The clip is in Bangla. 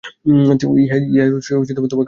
ইহাই তোমাকে অর্জন করিতে হইবে।